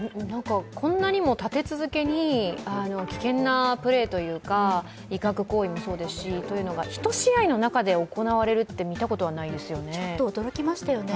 こんなにも立て続けに危険なプレーというか威嚇行為もそうですし、これが１試合の中で行われるというのはちょっと驚きましたよね。